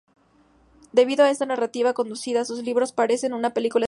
Debido a esta narrativa conducida, sus libros parecen una película escrita en papel.